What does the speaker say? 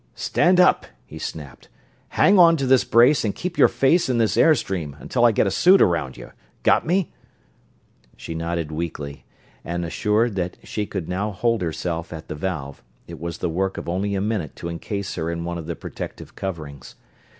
"Stand up!" he snapped. "Hang onto this brace and keep your face in this air stream until I get a suit around you! Got me?" She nodded weakly, and, assured that she could now hold herself at the valve, it was the work of only a minute to encase her in one of the protective coverings.